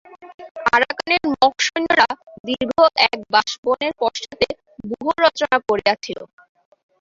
আরাকানের মগ সৈন্যরা দীর্ঘ এক বাঁশবনের পশ্চাতে ব্যূহরচনা করিয়াছিল।